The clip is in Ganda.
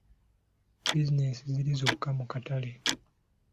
Bizinensi ziri zokka mu katale.